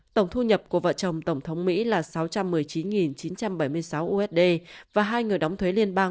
tổng thu nhập của vợ chồng tổng thống mỹ là sáu trăm một mươi chín chín trăm bảy mươi sáu usd và hai người đóng thuế liên bang